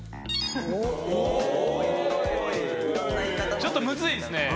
ちょっとムズいっすね。